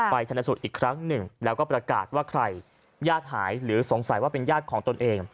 ชนะสูตรอีกครั้งหนึ่งแล้วก็ประกาศว่าใครญาติหายหรือสงสัยว่าเป็นญาติของตนเอง